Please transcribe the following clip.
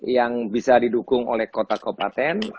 yang bisa didukung oleh kota kopaten